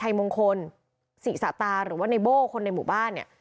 นายชายมงคลสิสาตาหรือว่าไนโบ่คนในหมู่บ้านเนี่ย